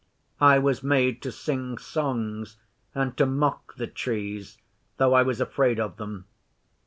I was made to sing songs and to mock the Trees, though I was afraid of them.